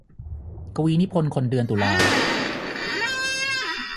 กวีนิพนธ์คนเดือนตุลา